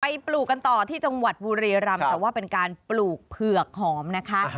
ปลูกกันต่อที่จังหวัดบุรีรำแต่ว่าเป็นการปลูกเผือกหอมนะคะ